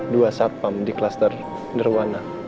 dua satpam di kluster nirwana